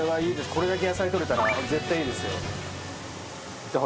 これだけ野菜取れたら絶対いいですよ。